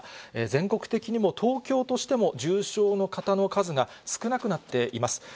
全国的にも、東京としても、重症の方の数が少なくなっています。